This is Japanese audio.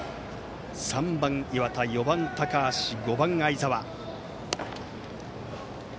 ３番、岩田、４番、高橋５番、相澤。